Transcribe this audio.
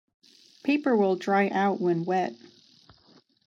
Paper will dry out when wet.